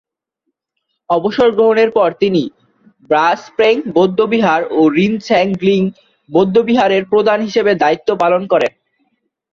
অবসর গ্রহণের পর তিনি র্বা-স্গ্রেং বৌদ্ধবিহার ও রিন-ছেন-গ্লিং বৌদ্ধবিহারের প্রধান হিসেবে দায়িত্ব পালন করেন।